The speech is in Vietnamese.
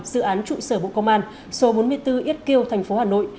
dự án trụ sở bộ công an số bốn mươi bốn yết kiêu tp hà nội